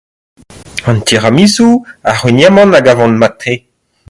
An tiramisu, ar c'houign-amann a gavan mat-tre.